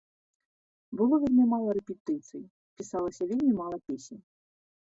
Было вельмі мала рэпетыцый, пісалася вельмі мала песень.